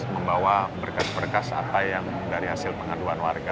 membawa berkas berkas apa yang dari hasil pengaduan warga